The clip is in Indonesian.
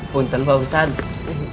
puntel pak ustadz